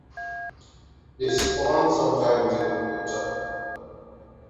They spawn sometime during winter.